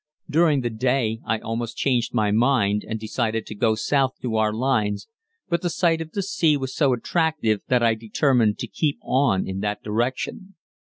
During the day I almost changed my mind and decided to go due south to our lines, but the sight of the sea was so attractive that I determined to keep on in that direction.